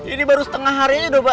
ini baru setengah hari aja doba